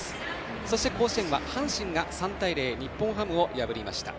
甲子園では阪神が３対０で日本ハムを破りました。